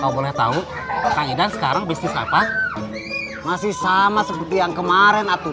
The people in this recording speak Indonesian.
kau boleh tahu kak idan sekarang bisnis apa masih sama seperti yang kemarin atau